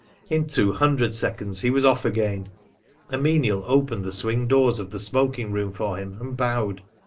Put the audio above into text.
In two hundred seconds he was off again. A menial opened the swing doors of the smoking room for him, and bowed.